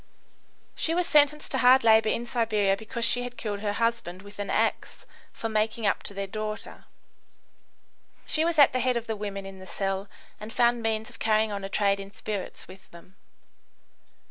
She was sentenced to hard labour in Siberia because she had killed her husband with an axe for making up to their daughter. She was at the head of the women in the cell, and found means of carrying on a trade in spirits with them.